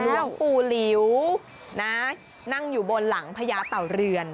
หลวงปู่หลิวนั่งอยู่บนหลังพระยาเตาเหลือน